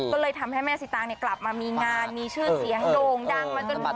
ก็เลยทำให้แม่สิตางกลับมามีงานมีชื่อเสียงโด่งดังมาจน